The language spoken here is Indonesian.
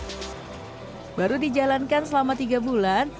kelompok pemuda ini telah menghasilkan sekitar tiga bulan